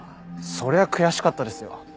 そりゃ悔しかったですよ。